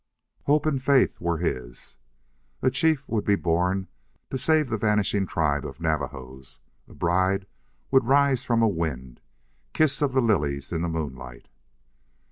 Hope and faith were his. A chief would be born to save the vanishing tribe of Navajos. A bride would rise from a wind kiss of the lilies in the moonlight.